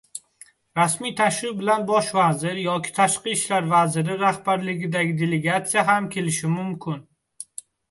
Rasmiy tashrif bilan Bosh vazir yoki tashqi ishlar vaziri rahbarligidagi delegatsiya ham kelishi mumkin.